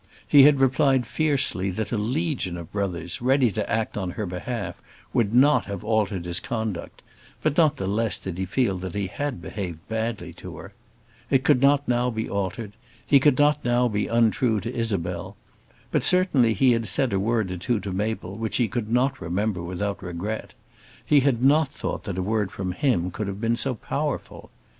He had replied fiercely that a legion of brothers, ready to act on her behalf, would not have altered his conduct; but not the less did he feel that he had behaved badly to her. It could not now be altered. He could not now be untrue to Isabel. But certainly he had said a word or two to Mabel which he could not remember without regret. He had not thought that a word from him could have been so powerful.